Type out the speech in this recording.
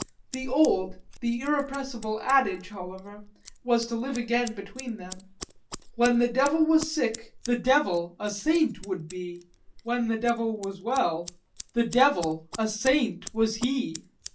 The old, the irrepressible adage, however, was to live again between them: when the devil was sick the devil a saint would be; when the devil was well the devil a saint was he!